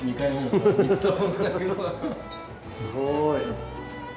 すごい。